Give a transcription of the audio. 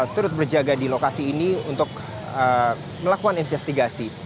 terut berjaga di lokasi ini untuk melakukan investigasi